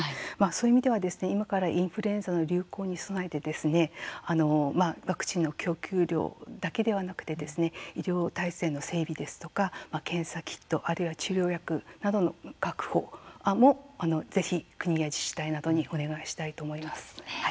そういう意味では、今からインフルエンザの流行に備えてワクチンの供給量だけではなくて医療体制の整備ですとか検査キットあるいは治療薬などの確保もぜひ、国や自治体などにお願いしたいと思います。